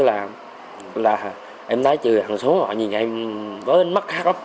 là em thấy trừ hàng số họ nhìn em với ánh mắt khác lắm